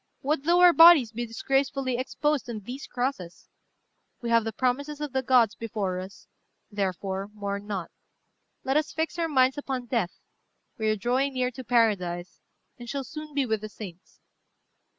What though our bodies be disgracefully exposed on these crosses? we have the promises of the gods before us; therefore, mourn not. Let us fix our minds upon death: we are drawing near to paradise, and shall soon be with the saints.